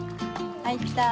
はいった。